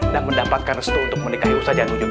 dan mendapatkan restu untuk menikahi ustadz januyo